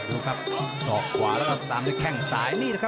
รู้ครับศอกขวาแล้วก็ตามแค่งสาย